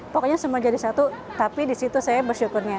pokoknya semua jadi satu tapi disitu saya bersyukurnya